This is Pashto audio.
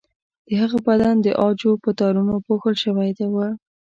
د هغه بدن د عاجو په تارونو پوښل شوی و.